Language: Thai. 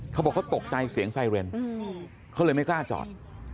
เขาบอกเขาตกใจเสียงไซเรนเขาเลยไม่กล้าจอด